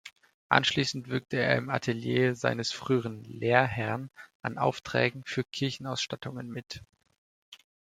Anschließend wirkte er im Atelier seines früheren Lehrherrn an Aufträgen für Kirchenausstattungen mit.